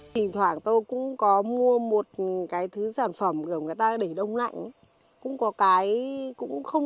thỉnh thoảng tôi cũng có mua một cái thứ sản phẩm gồm người ta để đông lạnh cũng có cái cũng không